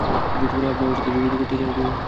আপনি আমার সাথে যোগাযোগ করতে চান?